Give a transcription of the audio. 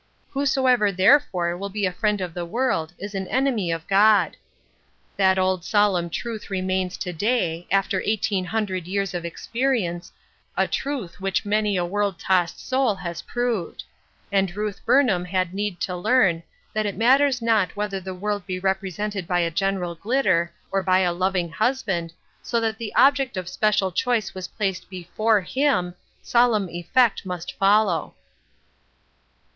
" Whosoever therefore will be a friend of the world is the en emy of God I " That old solemn truth remains *' These Be Thy aods. 407 to day, after eighteen hundred years of experi ence, a truth which many a world tossed soul has proved ; and Ruth Burnham had need to learn that it matters not whether the world be repre sented by a general glitter, or by a loving hus band, so that the object of special choice was placed " before " JKw, solemn effect must follow.